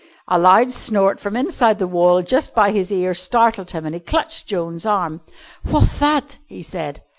A loud snort from inside the wall just by his ear startled him, and he clutched Joan's arm. "What'th that?" he said.